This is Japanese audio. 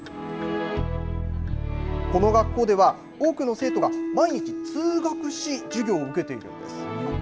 この学校では多くの生徒が毎日通学し授業を受けているんです。